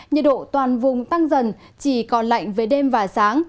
nhiệt độ toàn vùng tăng dần chỉ còn lạnh về đêm và sáng